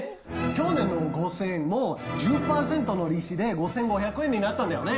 去年の５０００円も、１０％の利子で５５００円になったんだよね。